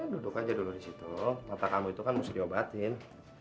duduk aja dulu di situ mata kamu itu kan mesti diobatin